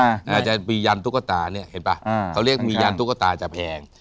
อาจจะมียันตุ๊กตาเนี่ยเห็นป่ะเขาเรียกมียันตุ๊กตาจะแพง